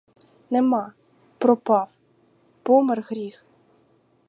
Нема, пропав, помер гріх.